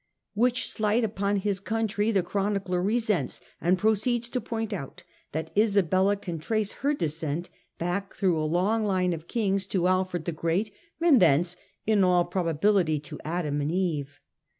Which slight upon his country the chronicler resents, and proceeds to point out that Isabella can trace her descent back through a long line of kings to Alfred the Great, and thence, in all probability, to Adam and Eve.